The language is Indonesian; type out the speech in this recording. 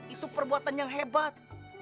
itu perbuatan yang hebat